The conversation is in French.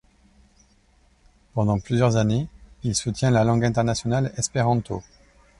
Pendant plusieurs années, il soutient la langue internationale espéranto.